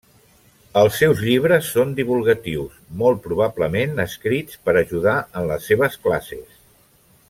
Els seus llibres són divulgatius, molt probablement escrits per ajudar en les seves classes.